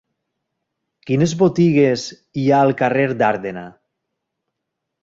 Quines botigues hi ha al carrer d'Ardena?